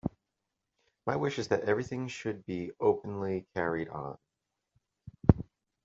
My wish is that everything should be openly carried on.